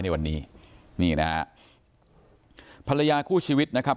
ในวันนี้นี่นะฮะภรรยาคู่ชีวิตนะครับ